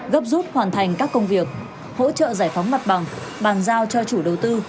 gấp rút hoàn thành các công việc hỗ trợ giải phóng mặt bằng bàn giao cho chủ đầu tư